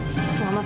selamat siang mbak